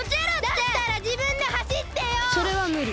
だったらじぶんではしってよ！それはむり。